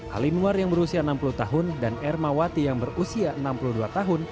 halimwar yang berusia enam puluh tahun dan ermawati yang berusia enam puluh dua tahun